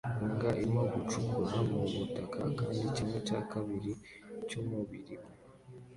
Imbwa irimo gucukura mu butaka kandi kimwe cya kabiri cy'umubiri we